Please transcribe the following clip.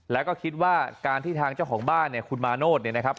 แล้วก็คิดว่าการที่ทางเจ้าของบ้านเนี่ยคุณมาโนธเนี่ยนะครับ